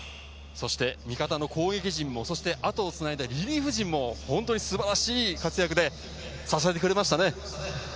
味方の攻撃陣、あとをつないだリリーフ陣も本当に素晴らしい活躍で支えてくれましたね。